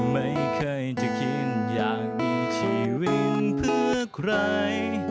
ไม่เคยจะคิดอยากมีชีวิตเพื่อใคร